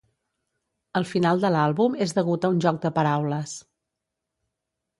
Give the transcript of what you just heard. El final de l'àlbum és degut a un joc de paraules.